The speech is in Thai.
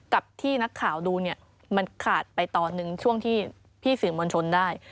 กับที่นักข่าวดูเนี่ยมันขาดไปตอนหนึ่งช่วงที่พี่สื่อมวลชนได้